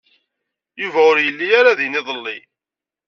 Yuba ur yelli ara din iḍelli.